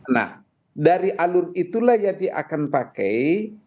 nah dari alur itulah yang dia akan pakai